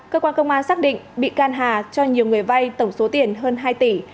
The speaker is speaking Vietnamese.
cơ quan công an xác định bị can hà cho nhiều người vay tổng số tiền hơn hai tỷ